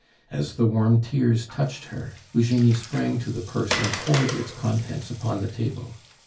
As the warm tears touched her, Eugenie sprang to the purse and poured its contents upon the table.